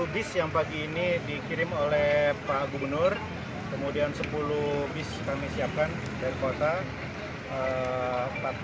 bis yang pagi ini dikirim oleh pak gubernur kemudian sepuluh bis kami siapkan dari kota